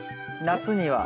夏には。